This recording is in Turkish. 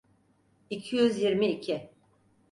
İki yüz yirmi iki.